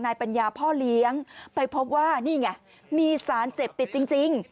ปัญญาพ่อเลี้ยงไปพบว่านี่ไงมีสารเสพติดจริง